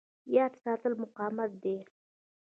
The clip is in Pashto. یاد ساتل مقاومت دی.